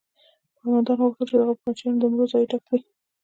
خاوندانو غوښتل د هغو په بچیانو د مړو ځای ډک کړي.